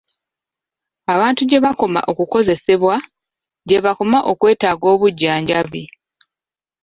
Abantu gye bakoma okukosebwa, gye bakoma okwetaaga obujjanjabi.